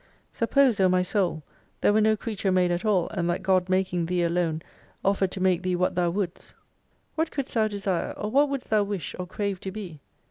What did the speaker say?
Suppose, O my Soul, there were no creature made at all, and that God mak ing Thee alone offered to make thee what Thou wouldst : "What couldst Thou desire ; or what wouldst Thou wish, or crave to be